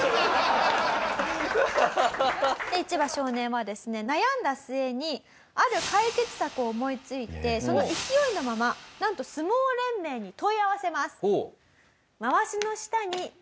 イチバ少年はですね悩んだ末にある解決策を思いついてその勢いのままなんと相撲連盟に問い合わせます。